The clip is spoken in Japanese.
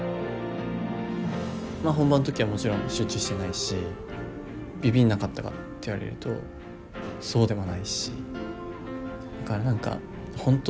まあ本番の時はもちろん集中してないしビビんなかったかって言われるとそうでもないしだから何か本当